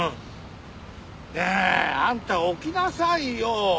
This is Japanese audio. ねえあんた起きなさいよ！